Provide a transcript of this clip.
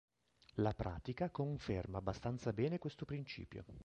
La pratica conferma abbastanza bene questo principio.